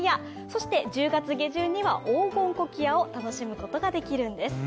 そして１０月下旬には黄金コキアを楽しむことができるんです。